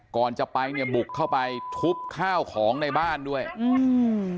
ก่อนจะไปเนี่ยบุกเข้าไปทุบข้าวของในบ้านด้วยอืม